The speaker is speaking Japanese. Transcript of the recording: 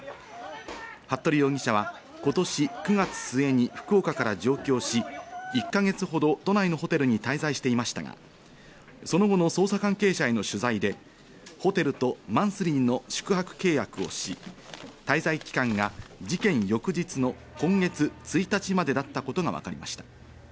服部容疑者は今年９月末に福岡から上京し、１か月ほど都内のホテルに滞在していましたが、その後の捜査関係者への取材で、ホテルとマンスリーの宿泊契約をし、滞在期間が事件翌日の今月１日までだったことがわかりました。